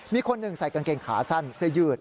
มีคนหนึ่งใส่กางเกงขาสั้นเสื้อยืด